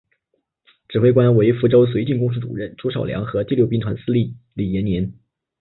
指挥官为福州绥靖公署主任朱绍良和第六兵团司令李延年。